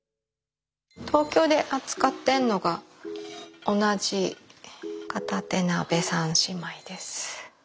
東京で扱ってるのが同じ片手鍋三姉妹です。